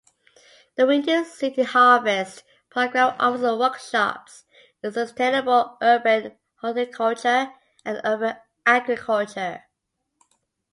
The Windy City Harvest program offers workshops in sustainable urban horticulture and urban agriculture.